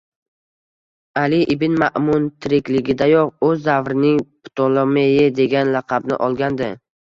Ali ibn Ma'mun tirikligidayoq “o`z davrining Ptolemeyi” degan laqabni olgandi